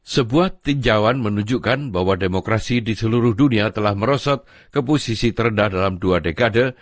sebuah tinjauan menunjukkan bahwa demokrasi di seluruh dunia telah merosot ke posisi terendah dalam dua dekade